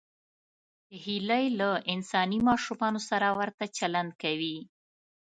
هیلۍ له انساني ماشومانو سره ورته چلند کوي